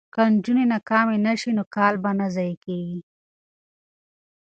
که نجونې ناکامې نه شي نو کال به نه ضایع کیږي.